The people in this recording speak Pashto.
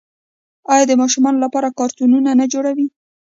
آیا د ماشومانو لپاره کارتونونه نه جوړوي؟